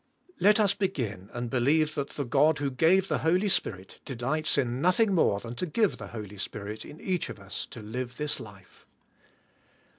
Let us begin and believe that the God who gave the Holy Spirit delights in nothing more than to give the Holy Spirit in each of us to live this life.